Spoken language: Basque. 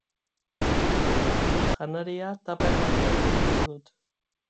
Janaria tuper batean bilduko dut.